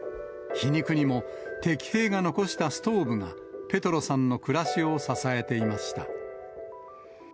皮肉にも、敵兵が残したストーブがペトロさんの暮らしを支えていました。